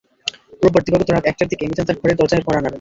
রোববার দিবাগত রাত একটার দিকে মিজান তাঁর ঘরের দরজায় কড়া নাড়েন।